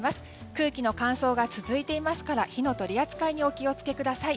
空気の乾燥が続いていますから火の取り扱いにお気を付けください。